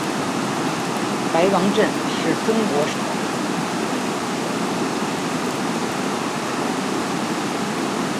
白王镇是中国陕西省咸阳市泾阳县下辖的一个镇。